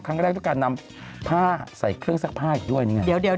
ครั้งแรกต้องการนำผ้าใส่เครื่องซักผ้าอีกด้วย